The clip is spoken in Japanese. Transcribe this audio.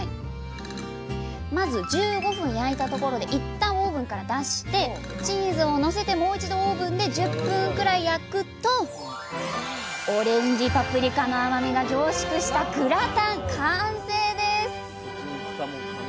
まず１５分焼いたところでいったんオーブンから出してチーズをのせてもう一度オーブンで１０分くらい焼くとオレンジパプリカの甘みが凝縮したグラタン完成です！